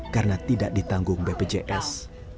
karena tidak ditanggung bpjs